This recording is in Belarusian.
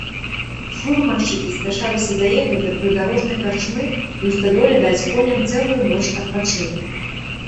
Фурманшчыкі спяшаліся даехаць да прыдарожнай карчмы і ў стадоле даць коням цэлую ноч адпачынку.